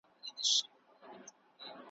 چي هر چا ته وي دولت وررسېدلی `